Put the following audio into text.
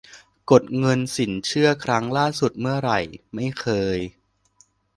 - กดเงินสินเชื่อครั้งล่าสุดเมื่อไหร่ : ไม่เคย